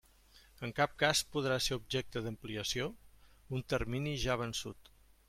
En cap cas podrà ser objecte d'ampliació, un termini ja vençut.